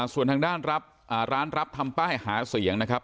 ส่วนทางด้านรับร้านรับทำป้ายหาเสียงนะครับ